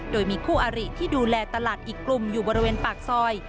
โดยมีคู่อาริที่ดูแลตลาดอีกกลุ่มอยู่บริเวณปากซอย